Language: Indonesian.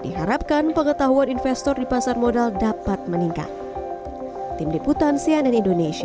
diharapkan pengetahuan investor di pasar modal dapat meningkat tim diputan cnn indonesia